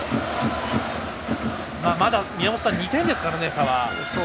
まだ、宮本さん、２点ですからね差は。